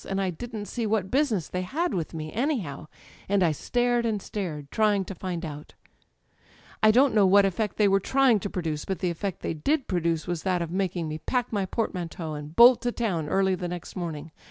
And I didn't see what business they had with me, anyhow â€" and I stared and stared, trying to find out ... "I don't know what effect they were trying to pro duce; but the effect they did produce was that of mak ing me pack my portmanteau and bolt to town early the next morning.